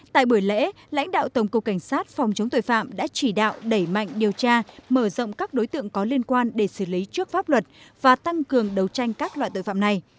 tại buổi lễ lãnh đạo tổng cục cảnh sát phòng chống tội phạm đã chỉ đạo đẩy mạnh điều tra mở rộng các đối tượng có liên quan để xử lý trước pháp luật và tăng cường đấu tranh các loại tội phạm này